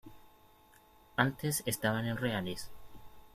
Antes estaban en reales.